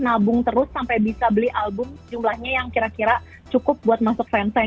nabung terus sampai bisa beli album jumlahnya yang kira kira cukup buat masuk fansign